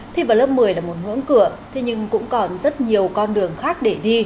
thi vào lớp một mươi là một ngưỡng cửa thế nhưng cũng còn rất nhiều con đường khác để đi